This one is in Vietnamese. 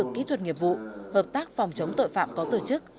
kỹ thuật nghiệp vụ hợp tác phòng chống tội phạm có tổ chức